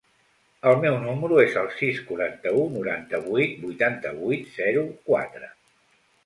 El meu número es el sis, quaranta-u, noranta-vuit, vuitanta-vuit, zero, quatre.